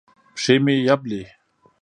پښې مې یبلي